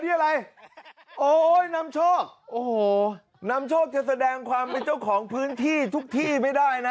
อะไรโอ้ยนำโชคโอ้โหนำโชคจะแสดงความเป็นเจ้าของพื้นที่ทุกที่ไม่ได้นะ